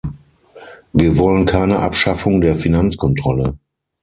Wir wollen keine Abschaffung der Finanzkontrolle.